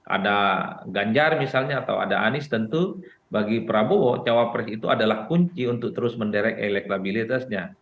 ada ganjar misalnya atau ada anies tentu bagi prabowo cawapres itu adalah kunci untuk terus menderek elektabilitasnya